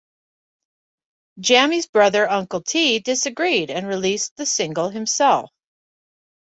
Jammy's brother Uncle T disagreed and released the single himself.